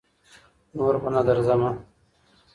نور بــه نـه درځمـــه